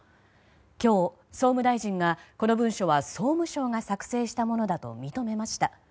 今日、総務大臣がこの文書は総務省が作成したものだと認めました。